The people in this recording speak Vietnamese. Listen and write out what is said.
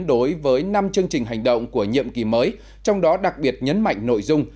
đối với năm chương trình hành động của nhiệm kỳ mới trong đó đặc biệt nhấn mạnh nội dung